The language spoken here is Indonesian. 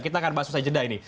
kita akan bahas usai jeda ini